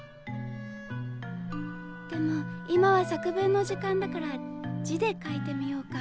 でも今は作文の時間だから字で書いてみようか。